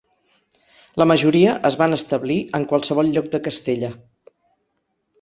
La majoria es van establir en qualsevol lloc de Castella.